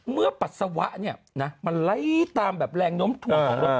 เมื่อปัศวะเนี่ยมั้นไหลตามแบบแรงน้มตัวเขา